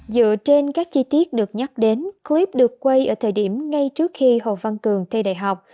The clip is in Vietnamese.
dựa trên các chi tiết được nhắc đến clip được quay ở thời điểm ngay trước khi hồ văn cường thi đại học